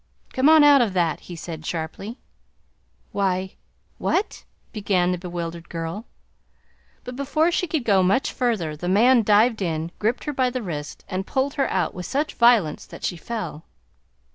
"Come on out of that!" he said sharply. "Why what " began the bewildered girl, but before she could go much farther the man dived in, gripped her by the wrist, and pulled her out with such violence that she fell.